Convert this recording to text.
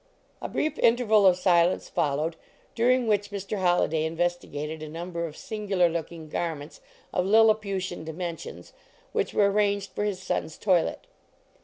" A brief interval of silence followed, during which Mr. Holliday investigated a number of singular looking garments of Lilliputian di mensions, which were arranged for his son s toilet.